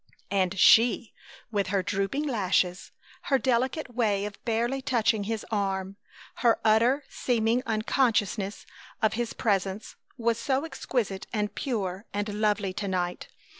And she, with her drooping lashes, her delicate way of barely touching his arm, her utter seeming unconsciousness of his presence, was so exquisite and pure and lovely to night!